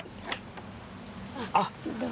あっどうも。